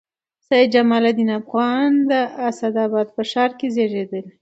سید جمال الدین افغان په اسعداباد ښار کښي زېږېدلي دئ.